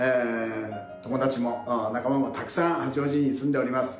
友達も、仲間もたくさん八王子に住んでおります。